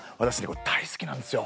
これ大好きなんですよ。